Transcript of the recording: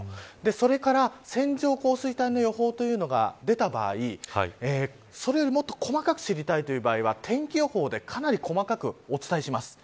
それから線状降水帯の予報というのが出た場合それより、もっと細かく知りたいという場合は天気予報でかなり細かくお伝えします。